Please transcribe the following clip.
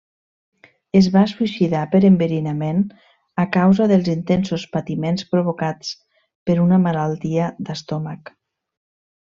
Es va suïcidar per enverinament a causa dels intensos patiments provocats per una malaltia d'estómac.